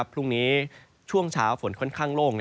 พรุ่งนี้ช่วงเช้าฝนค่อนข้างโล่ง